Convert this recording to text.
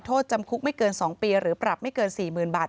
โทษจำคุกไม่เกิน๒ปีหรือปรับไม่เกิน๔๐๐๐บาท